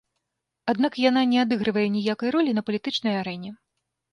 Аднак яна не адыгрывае ніякай ролі на палітычнай арэне.